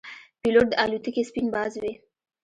پیلوټ د الوتکې سپین باز وي.